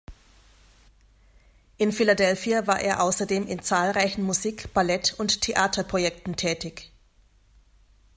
In Philadelphia war er außerdem in zahlreichen Musik-, Ballett- und Theaterprojekten tätig.